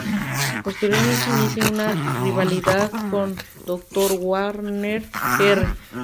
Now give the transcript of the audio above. Posteriormente inicia una rivalidad con Dr. Wagner Jr.